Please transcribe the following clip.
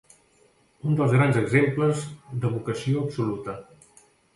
Un dels grans exemples de vocació absoluta.